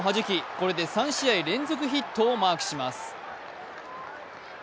これで３試合連続ヒットをマークします。